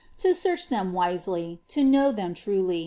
to search them wisely, to know thetn crniy.